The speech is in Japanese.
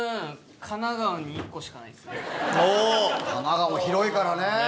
神奈川も広いからね。